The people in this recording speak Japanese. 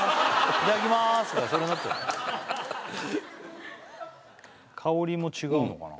いただきますがそれになっちゃう香りも違うのかな？